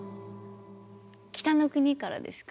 「北の国から」ですか？